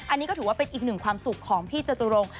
อันนี้ก็ถือว่าเป็นอีกหนึ่งความสุขของพี่จตุรงค